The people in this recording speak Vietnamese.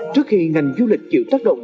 trước khi ngành du lịch chịu tác động